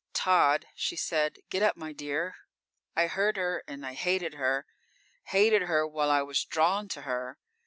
_ _"Tod," she said, "Get up, my dear." I heard Her and I hated Her. Hated Her while I was drawn to Her.